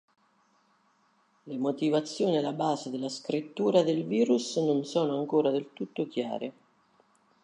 Le motivazioni alla base della scrittura del virus non sono ancora del tutto chiare.